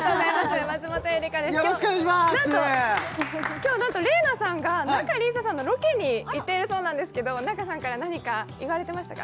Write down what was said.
今日なんと麗菜さんが仲里依紗さんのロケに行っているそうなんですけど仲さんから何か言われてましたか？